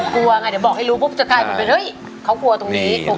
กลัวไงเดี๋ยวบอกให้รู้ปุ๊บจะกลายเป็นเฮ้ยเขากลัวตรงนี้